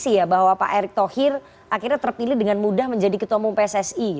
ya bahwa pak erick thohir akhirnya terpilih dengan mudah menjadi ketua umum pssi